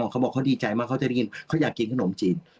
เขาบอกว่าเขาดีใจมากจะได้กินอยากกินขนมจีน